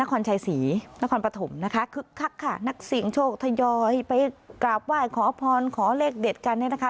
นครชายศรีนครปฐมนะคะคือคักค่ะนักสิงห์โชคทยอยไปกราบว่ายขอพรขอเลขเด็ดกันนี่นะคะ